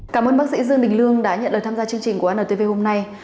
cảm ơn bác sĩ dương đình lương đã nhận được tham gia chương trình của ntv hôm nay